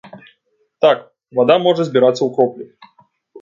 Так, вада можа збірацца ў кроплі.